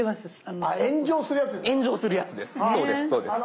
炎上するやつですか？